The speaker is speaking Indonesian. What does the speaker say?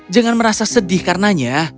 jangan merasa sedih karenanya